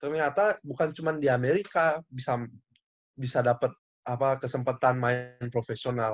ternyata bukan cuma di amerika bisa dapat kesempatan main profesional